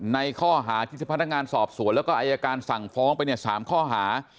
ในข้อหาที่พนักงานสอบสวนแล้วก็อายการสั่งฟ้องไปเนี่ย๓ข้อหา